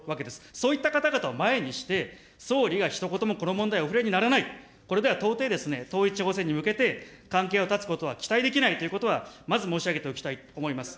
そういった方々を前にして、総理がひと言もこの問題お触れにならない、これでは到底、統一地方選に向けて、関係を断つことは期待できないということは、まず申し上げておきたいと思います。